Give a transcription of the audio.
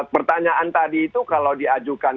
pertanyaan tadi itu kalau diajukan